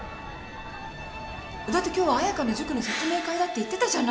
だって今日は彩香の塾の説明会だって言ってたじゃない